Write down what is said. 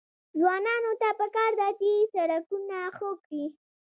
ځوانانو ته پکار ده چې، سړکونه ښه کړي.